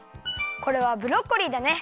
これはブロッコリーだね。